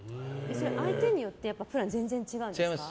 相手によってプラン、全然違うんですか？